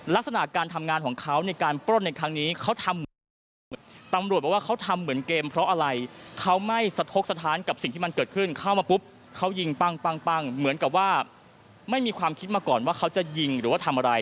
ลักษณะการทำงานของเขาในการปล้นในครั้งนี้เขาทำเหมือนเกมตำรวจบอกว่าเขาทำเหมือนเกมเพราะอะไรเขาไม่สะทกสถานกับสิ่งที่มันเกิดขึ้นเข้ามาปุ๊บเขายิงปั้งเหมือนกับว่าไม่มีความคิดมาก่อนว่าเขาจะยิงหรือว่าทำอะไร